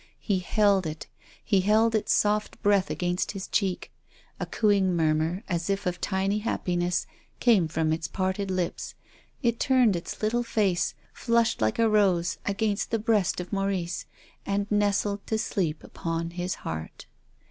He held it. He felt its soft breath against his cheek. A cooing murmur, as if of tiny happiness, came from its parted lips. It turned its little face, flushed like a rose, against the breast of Maurice, and nestled to sleep upon his heart.